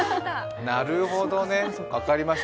なるほどね、分かりました。